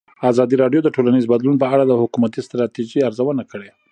ازادي راډیو د ټولنیز بدلون په اړه د حکومتي ستراتیژۍ ارزونه کړې.